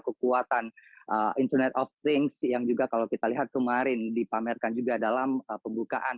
kekuatan internet of things yang juga kalau kita lihat kemarin dipamerkan juga dalam pembukaan